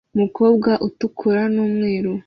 Umukobwa utukura n'umweru